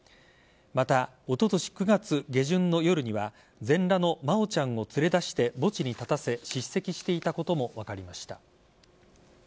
また、おととし９月下旬の夜には全裸の真愛ちゃんを連れ出して墓地に立たせ叱責していたことも分かりました。